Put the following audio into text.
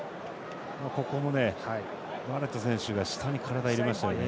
ここもね、バレット選手が下に体を入れましたよね。